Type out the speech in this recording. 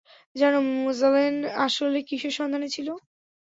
জানো ম্যেজালেন আসলে কীসের সন্ধানে ছিল?